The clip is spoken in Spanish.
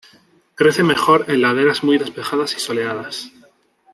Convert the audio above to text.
Crece mejor en laderas muy despejadas y soleadas.